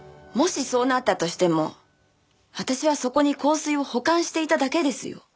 もしそうなったとしても私はそこに香水を保管していただけですよ。